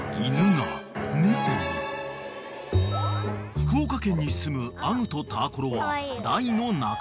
［福岡県にすむアグとターコロは大の仲良し］